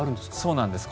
そうなんです。